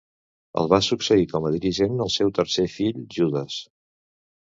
El va succeir com a dirigent el seu tercer fill Judes.